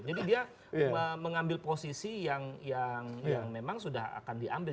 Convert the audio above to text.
jadi dia mengambil posisi yang memang sudah akan diambil